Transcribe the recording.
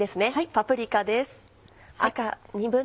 パプリカです。